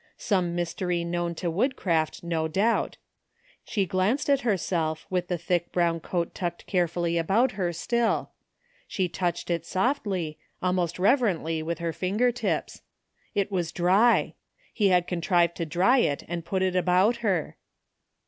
Some mystery known to woodcraft no doubt She glanced at herself with the thick brown coat tucked carefully about her still. She touched it softly, almost reverently with her finger tips. It was dry! He had contrived to dry it and put it about her!